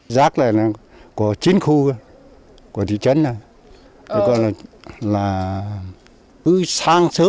rác này là của chín khu